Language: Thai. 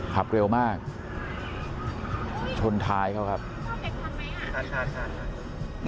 ขับเร็วมากโอ้ยชนท้ายเขาครับโอ้ยชอบเต็กทันไหมอ่ะค่ะค่ะค่ะ